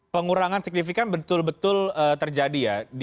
pengurangan signifikan betul betul terjadi ya